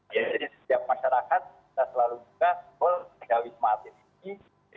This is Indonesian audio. jadi setiap masyarakat kita selalu juga bergabung dengan wisma atlet ini